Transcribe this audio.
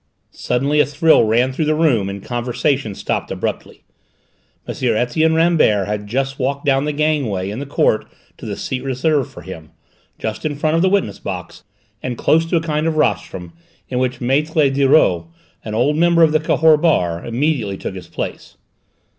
Suddenly a thrill ran through the room and conversation stopped abruptly. M. Etienne Rambert had just walked down the gangway in the court to the seat reserved for him, just in front of the witness box and close to a kind of rostrum in which Maître Dareuil, an old member of the Cahors Bar, immediately took his place.